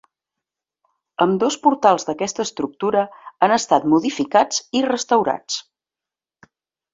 Ambdós portals d’aquesta estructura han estat modificats i restaurats.